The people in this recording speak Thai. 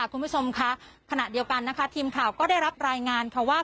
คุณผู้ชมค่ะขณะเดียวกันนะคะทีมข่าวก็ได้รับรายงานค่ะว่า